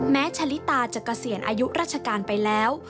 ชะลิตาจะเกษียณอายุราชการไปแล้ว